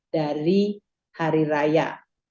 dari hari raya